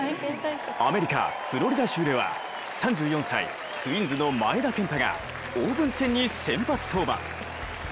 アメリカ・フロリダ州では３４歳、ツインズの前田健太がオープン戦に先発登板。